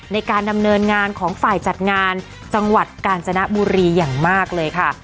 ในการดำเนินงานของฝ่ายจัดงานจังหวัดกาญจนบุรีอย่างมากเลยค่ะ